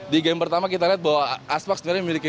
di game pertama kita lihat bahwa aspak sebenarnya memiliki